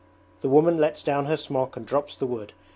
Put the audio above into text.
The woman lets down her smock and drops the wood.